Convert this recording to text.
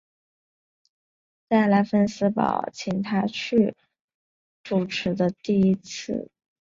在拉芬斯堡请他去主持的第一次对女巫的审判会上他把两名妇女判处火刑。